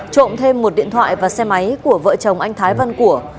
trộm thêm một điện thoại và xe máy của vợ chồng anh thái văn của